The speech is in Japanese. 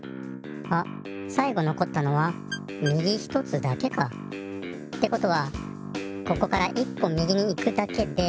あっさい後のこったのはみぎ一つだけか。ってことはここから一歩みぎに行くだけで。